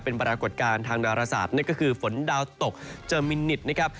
เป็นปรากฏการณ์ทางดาราศาสตร์นั่นก็คือฝนดาวตกเจอมินิตนะครับ